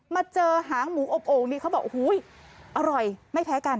มาเจอหางหมูอบโอ่งนี่เขาบอกโอ้โหอร่อยไม่แพ้กัน